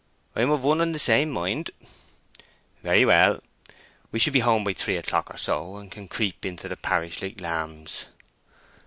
"I am of one and the same mind." "Very well. We shall be home by three o'clock or so, and can creep into the parish like lambs."